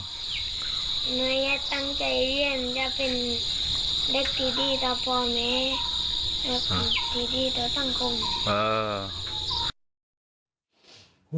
หน่วยอยากตั้งใจเรียนจะเป็นเลขที่ดีกว่าพอไหม